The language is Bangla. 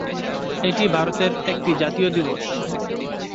এটি ভারতের একটি জাতীয় দিবস।